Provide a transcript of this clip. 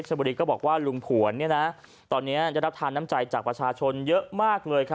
บุรีก็บอกว่าลุงผวนตอนนี้ได้รับทานน้ำใจจากประชาชนเยอะมากเลย